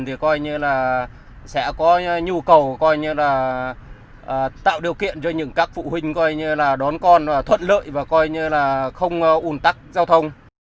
thì sẽ có nhu cầu tạo điều kiện cho những các phụ huynh đón con thuận lợi và không un tắc giao thông